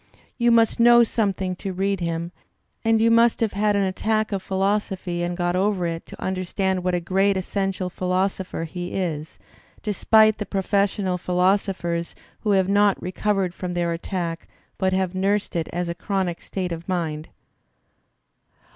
You must know something to read him and you must have had an attack of philosophy and got over it to understand what a great essential philosopher he is, despite the professional philosophers who have not recovered from theii^'attack but have nursed it as a chronic state of mind.